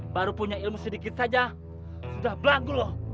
baru punya ilmu sedikit saja sudah belangku loh